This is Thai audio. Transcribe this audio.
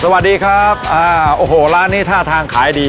สวัสดีครับอ่าโอ้โหร้านนี้ท่าทางขายดี